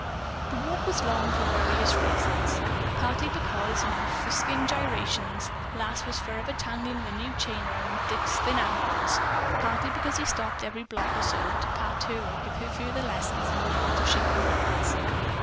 The walk was long for various reasons partly because, in her frisking gyrations, Lass was forever tangling the new chain around Dick's thin ankles; partly because he stopped, every block or so, to pat her or to give her further lessons in the art of shaking hands.